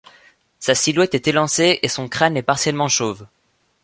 Sa silhouette est élancée et son crâne est partiellement chauve.